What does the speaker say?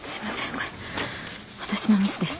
これ私のミスです。